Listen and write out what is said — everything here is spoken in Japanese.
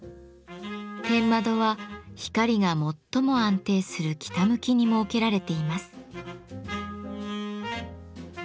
天窓は光が最も安定する北向きに設けられています。